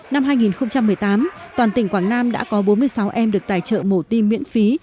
năm hai nghìn một mươi tám toàn tỉnh quảng nam đã có bốn mươi sáu em được tài trợ mổ tim miễn phí